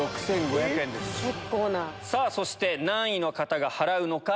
そして何位の方が払うのか。